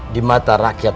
di mata rakyat